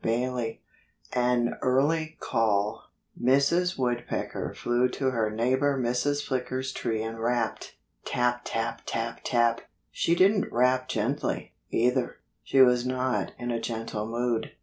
*VIII* *AN EARLY CALL* Mrs. Woodpecker flew to her neighbor Mrs. Flicker's tree and rapped, tap tap tap tap. She didn't rap gently, either. She was not in a gentle mood.